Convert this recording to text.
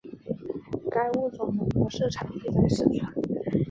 该物种的模式产地在四川。